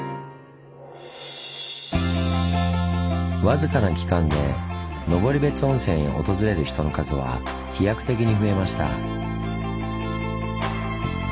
僅かな期間で登別温泉へ訪れる人の数は飛躍的に増えました。